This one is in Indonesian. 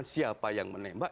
siapa yang menembak